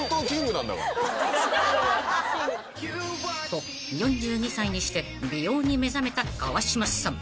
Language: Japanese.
［と４２歳にして美容に目覚めた川島さん］